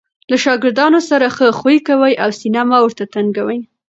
له ښاګردانو سره ښه خوي کوئ! او سینه مه ور ته تنګوئ!